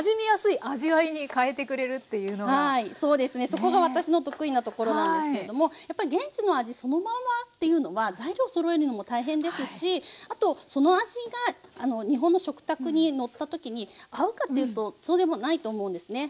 そこが私の得意なところなんですけれどもやっぱり現地の味そのままっていうのは材料そろえるのも大変ですしあとその味が日本の食卓にのった時に合うかっていうとそうでもないと思うんですね。